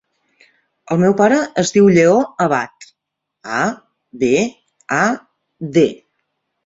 El meu pare es diu Lleó Abad: a, be, a, de.